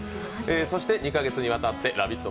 そして２か月にわたって「ラヴィット！」